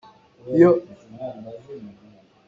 Ruakha an tla.